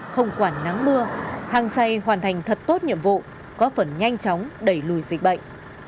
không quản nắng mưa hàng say hoàn thành thật tốt nhiệm vụ có phần nhanh chóng đẩy lùi dịch bệnh